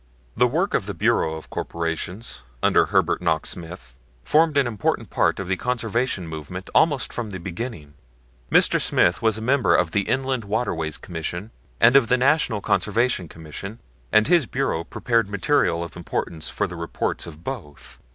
The work of the Bureau of Corporations, under Herbert Knox Smith, formed an important part of the Conservation movement almost from the beginning. Mr. Smith was a member of the Inland Waterways Commission and of the National Conservation Commission and his Bureau prepared material of importance for the reports of both.